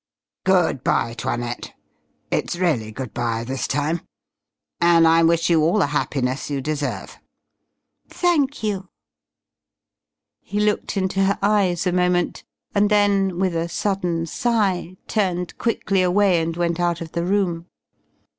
"Good bye, 'Toinette.... It's really good bye this time. And I wish you all the happiness you deserve." "Thank you." He looked into her eyes a moment, and then with a sudden sigh turned quickly away and went out of the room.